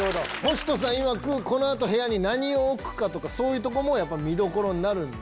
星人さんいわくこの後部屋に何を置くかとかそういうとこも見どころになるんで。